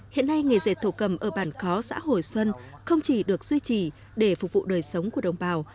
hiện nay nghề dệt thổ cầm ở bàn khó xã hồi xuân không chỉ được duy trì để phục vụ đời sống của đồng bào